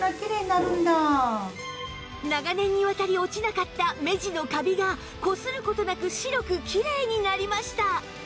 長年にわたり落ちなかった目地のカビがこする事なく白くきれいになりました